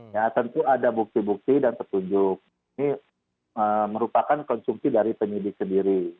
ya tentu ada bukti bukti dan petunjuk ini merupakan konsumsi dari penyidik sendiri